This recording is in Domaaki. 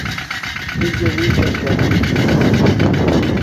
ہنزو بوت شا چھا